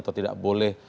atau tidak boleh